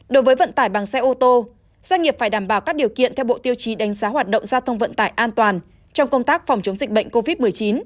đối với vận tải bằng xe ô tô doanh nghiệp phải đảm bảo các điều kiện theo bộ tiêu chí đánh giá hoạt động giao thông vận tải an toàn trong công tác phòng chống dịch bệnh covid một mươi chín